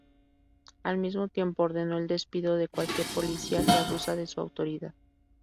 Al mismo tiempo, ordenó el despido de cualquier policía que abusa de su autoridad.